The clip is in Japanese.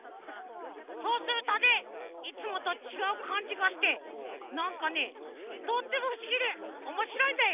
そうするとねいつもとちがうかんじがしてなんかねとってもふしぎでおもしろいんだよ！